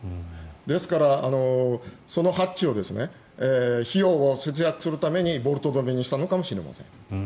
ですから、そのハッチを費用を節約するためにボルト止めにしたのかもしれません。